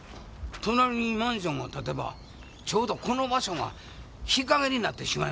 隣にマンションが建てばちょうどこの場所が日陰になってしまいますやろ？